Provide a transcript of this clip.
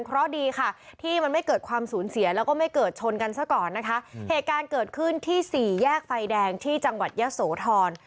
เพราะดีค่ะที่มันไม่เกิดความสูญเสียแล้วก็ไม่เกิดชนกันซะก่อนนะคะเหตุการณ์เกิดขึ้นที่สี่แยกไฟแดงที่จังหวัดยะโสธร